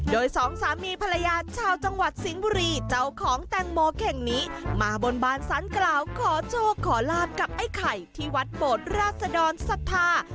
โดยสองสามีภรรยาชาวจังหวัดสิงห์บุรีเจ้าของแตงโมเข่งนี้มาบนบานสารกล่าวขอโชคขอลาบกับไอ้ไข่ที่วัดโบดราชดรศรัทธา